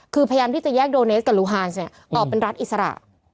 คือพยายามที่จะแยกโดเนสกับลูฮานส์ออกเป็นรัฐอิสระ